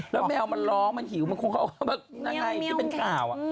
แล้วแมวมันร้องมันหิวนั่งไห้ถึงเป็นข่าวอ่ะ